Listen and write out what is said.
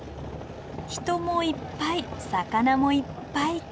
人もいっぱい魚もいっぱいか。